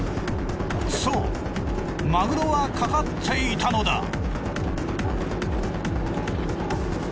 そうマグロは掛かっていたのだ。